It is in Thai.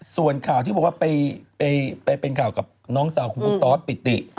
ส่วนข่าวที่บอกว่าไปเป็นข่าวกับน้องสาวของคุณตอสปิติ